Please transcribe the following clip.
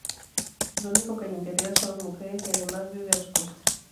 Lo único que le interesa son las mujeres y, además, vive a su costa.